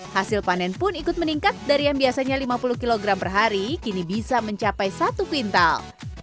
hasil panen pun ikut meningkat dari yang biasanya lima puluh kg per hari kini bisa mencapai satu quintal